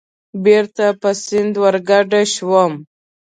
بېرته په سیند ورګډ شوم.